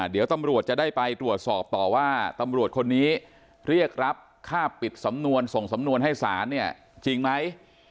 เดี๋ยวตำรวจจะได้ไปตรวจสอบต่อว่าตำรวจคนนี้เรียกรับค่าปิดสำนวนส่งสำนวนให้ศาลเนี่ยจริงไหม